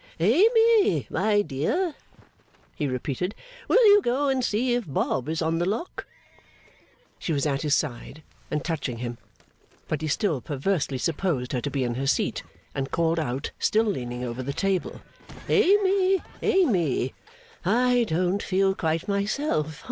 'Amy, my dear,' he repeated. 'Will you go and see if Bob is on the lock?' She was at his side, and touching him, but he still perversely supposed her to be in her seat, and called out, still leaning over the table, 'Amy, Amy. I don't feel quite myself.